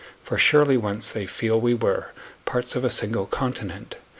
For surely once, they feel, we were 15 Parts of a single continent.